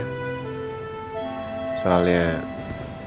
jadi dosen adalah keinginan terbesarnya andin